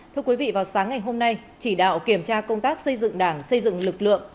thưa quý vị vào sáng ngày hôm nay chỉ đạo kiểm tra công tác xây dựng đảng xây dựng lực lượng